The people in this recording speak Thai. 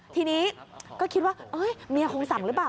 ทีนี้ก็คิดว่าเมียคงสั่งหรือเปล่า